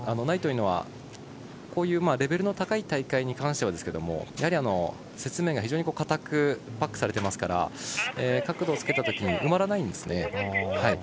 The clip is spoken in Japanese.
ないというのは、こういうレベルの高い大会に関してはですけどもやはり雪面が非常にかたくパックされていますから角度をつけたときに止まらないんですね。